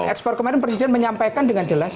ekspor kemarin presiden menyampaikan dengan jelas